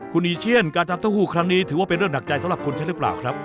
คุณอีเชียนการทำเต้าหู้ครั้งนี้ถือว่าเป็นเรื่องหนักใจสำหรับคุณใช่หรือเปล่าครับ